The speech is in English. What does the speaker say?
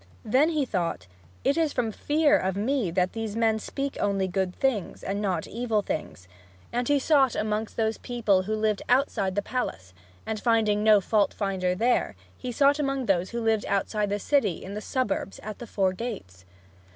Then he thought, "It is from fear of me that these men speak only good things, and not evil things," and he sought among those people who lived outside the palace. And finding no fault finder there, he sought among those who lived outside the city, in the suburbs, at the four gates.